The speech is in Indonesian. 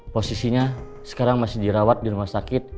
posisinya sekarang masih dirawat di rumah sakit